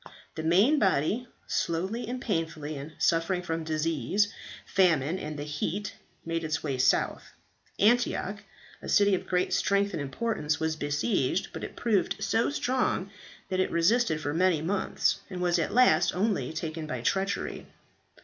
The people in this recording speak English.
"The main body, slowly and painfully, and suffering from disease, famine, and the heat, made its way south. Antioch, a city of great strength and importance, was besieged, but it proved so strong that it resisted for many months, and was at last only taken by treachery.